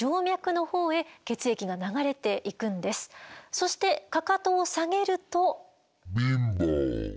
そしてかかとを下げると。